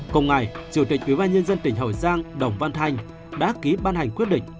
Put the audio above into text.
cùng ngày chủ tịch ubnd tp hội giang đồng văn thành đã ký ban hành quyết định